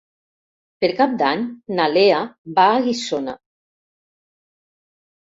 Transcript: Per Cap d'Any na Lea va a Guissona.